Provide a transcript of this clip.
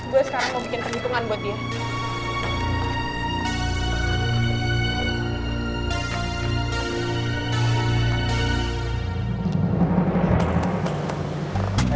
gue sekarang mau bikin perhitungan buat dia